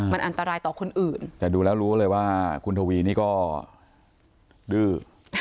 มันอันตรายต่อคนอื่นแต่ดูแล้วรู้เลยว่าคุณทวีนี่ก็ดื้อ